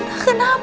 biarkan saya bhakti